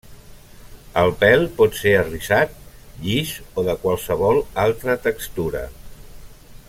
El pèl pot ser arrissat, llis o de qualsevol altra textura.